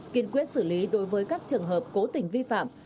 kiên quyết xử lý đối với các trường hợp cố tình vi phạm